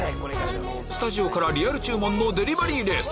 スタジオからリアル注文のデリバリーレース！